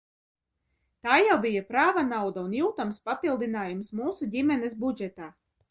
Tā jau bija prāva nauda un jūtams papildinājums mūsu ģimenes budžetā.